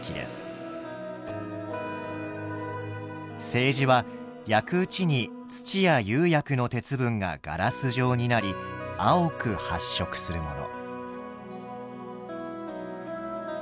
青磁は焼くうちに土や釉薬の鉄分がガラス状になり青く発色するもの。